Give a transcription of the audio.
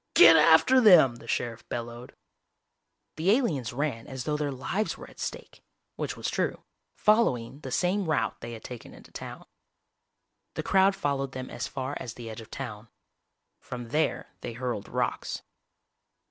"Get after them!!" the sheriff bellowed. The aliens ran as though their lives were at stake, which was true, following the same route they had taken into town. The crowd followed them as far as the edge of town. From there they hurled rocks.